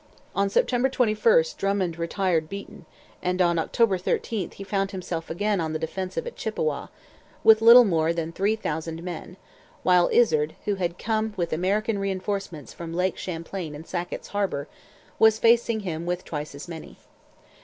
On September 21 Drummond retired beaten; and on October 13 he found himself again on the defensive at Chippawa, with little more than three thousand men, while Izard, who had come with American reinforcements from Lake Champlain and Sackett's Harbour, was facing him with twice as many.